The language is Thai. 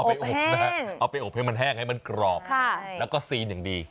อบค่ะอบแห้งเอาไปอบให้มันแห้งให้มันกรอบค่ะแล้วก็ซีนอย่างดี